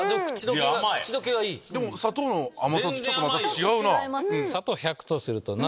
砂糖の甘さとちょっとまた違うな。